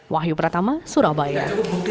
wahyu pertama surabaya